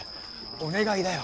お願いだよ。